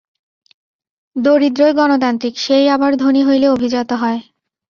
দরিদ্রই গণতান্ত্রিক, সেই আবার ধনী হইলে অভিজাত হয়।